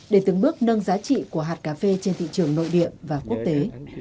để từng bước nâng giá trị của hạt cà phê trên thị trường nội địa và quốc tế